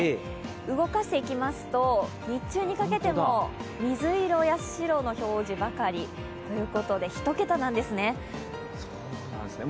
動かしていきますと、日中にかけても水色や白の表示ばかりということで１桁なんですね。